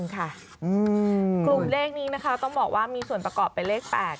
กลุ่มเลขนี้นะคะต้องบอกว่ามีส่วนประกอบเป็นเลข๘